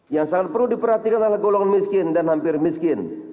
yang sangat perlu diperhatikan adalah golongan miskin dan hampir miskin